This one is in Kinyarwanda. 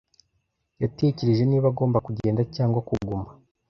Yatekereje niba agomba kugenda cyangwa kuguma.